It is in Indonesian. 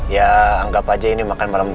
ya anggap aja ini makan malam